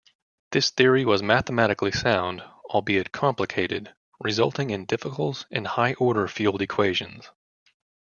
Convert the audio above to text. This theory was mathematically sound, albeit complicated, resulting in difficult and high-order field equations.